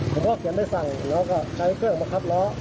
ผมก็เขียนใบสั่งแล้วก็ใช้เครื่องบังคับล้อ